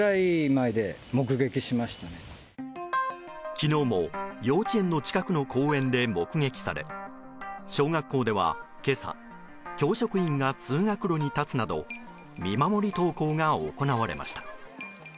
昨日も、幼稚園の近くの公園で目撃され小学校では今朝教職員が通学路に立つなど見守り登校が行われました。